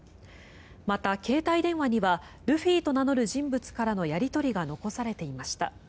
また、携帯電話にはルフィと名乗る人物からのやり取りが残されていました。